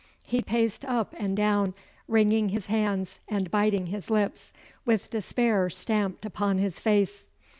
He paced up and down, wringing his hands and biting his lips, with despair stamped upon his face.